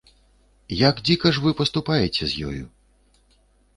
Як дзіка ж вы паступаеце з ёю.